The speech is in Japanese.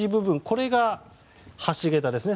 これが橋桁ですね。